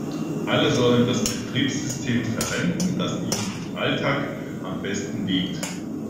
Alle sollten das Betriebssystem verwenden, das ihnen im Alltag am besten liegt.